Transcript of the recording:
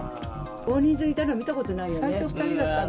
大人数いたの、見たことないよね。